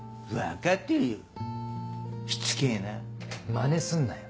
マネすんなよ。